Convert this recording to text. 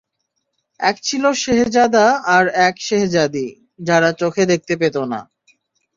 এক ছিল শেহজাদা আর এক শেহজাদী, যারা চোখে দেখতে পেতো না।